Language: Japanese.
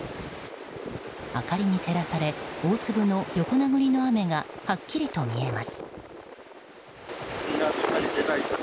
明かりに照らされ大粒の横殴りの雨がはっきりと見えます。